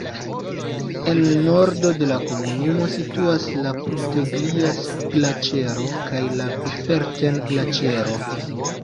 En nordo de la komunumo situas la Punteglias-Glaĉero kaj Biferten-Glaĉero.